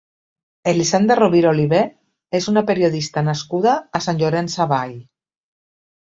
Elisenda Rovira Olivé és una periodista nascuda a Sant Llorenç Savall.